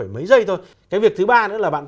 mấy giây thôi cái việc thứ ba nữa là bạn